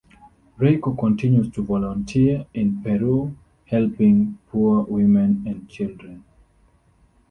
Reiko continues to volunteer in Peru helping poor women and children.